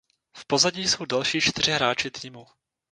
V pozadí jsou další čtyři hráči týmu.